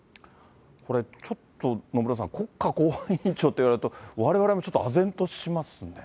これ、ちょっと野村さん、国家公安委員長って言われると、われわれもちょっとあぜんとしますね。